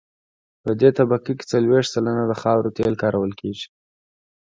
په دې طبقه کې څلویښت سلنه د خاورو تیل کارول کیږي